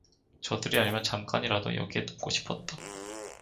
저들이 아니면 잠깐이라도 여기에 눕고 싶었다.